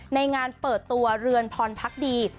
ในงานเปิดตัวเรือนพรพักดี